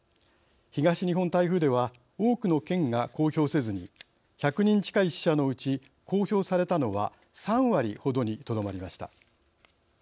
東日本台風では多くの県が公表せずに１００人近い死者のうち公表されたのは３割ほどにとどまりました。